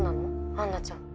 アンナちゃん。